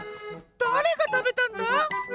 だれがたべたんだ？